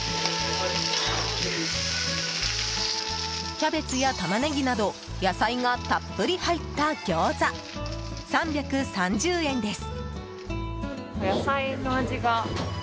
キャベツやタマネギなど野菜がたっぷり入った餃子、３３０円です。